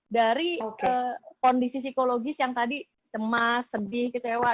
dari kondisi psikologis yang tadi cemas sedih gitu ya